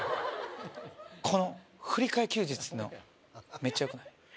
この振り替え休日メッチャよくない？